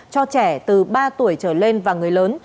cho trẻ từ ba tuổi trở lên và người lớn